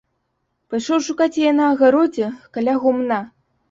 Пайшоў шукаць яе на агародзе каля гумна.